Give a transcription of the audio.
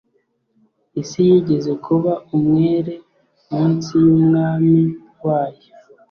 isi yigeze kuba umwere munsi yumwami wayo